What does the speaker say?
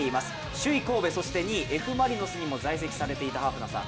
首位・神戸、そして２位、Ｆ・マリノスにも在籍されていたハーフナーさん。